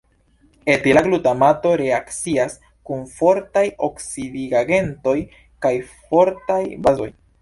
Etila glutamato reakcias kun fortaj oksidigagentoj kaj fortaj bazoj.